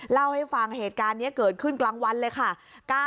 เล่าให้ฟังเหตุการณ์นี้เกิดขึ้นกลางวันเลยค่ะ